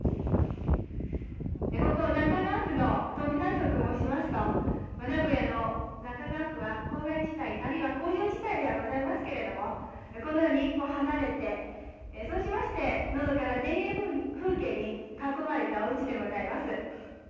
ここ中川区の富田町と申しますと名古屋の中川区はこうがい地帯あるいは工場地帯ではございますけれどもこのように一歩離れてそうしましてのどかな田園風景に囲まれたおうちでございます